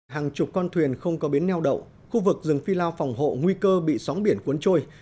hàng chục con thuyền không có bến neo đậu khu vực rừng phi lao phòng hộ nguy cơ bị sóng biển cuốn trôi